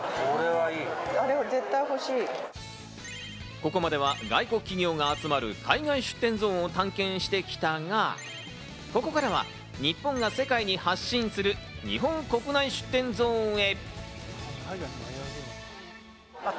ここまでは外国企業が集まる、海外出店ゾーンを探検してきたが、ここからは日本が世界に発信する日本国内出店ゾーンへ。